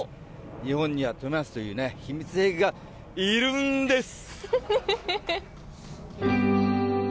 日本には冨安という秘密兵器がいるんです！